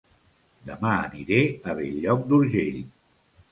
Dema aniré a Bell-lloc d'Urgell